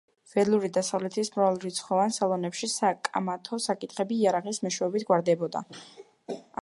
ველური დასავლეთის მრავალრიცხოვან სალონებში საკამათო საკითხები იარაღის მეშვეობით გვარდებოდა.